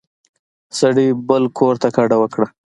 سړي بل کور ته کډه وکړه.